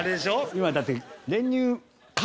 今だって。